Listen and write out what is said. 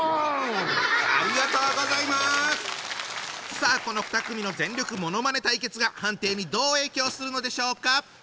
さあこの２組の全力ものまね対決が判定にどう影響するのでしょうか。